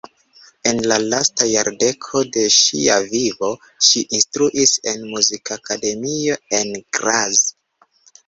En la lasta jardeko de ŝia vivo ŝi instruis en muzikakademio en Graz.